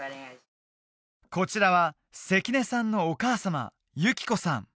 こちらは関根さんのお母様雪子さん